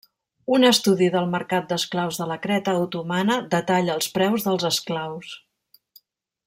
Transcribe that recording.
Un estudi del mercat d'esclaus de la Creta otomana detalla els preus dels esclaus.